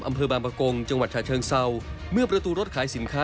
อำเภอบางประกงจังหวัดฉะเชิงเศร้าเมื่อประตูรถขายสินค้า